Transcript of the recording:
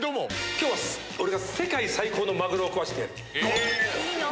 今日俺が世界最高のマグロを食わせてやる。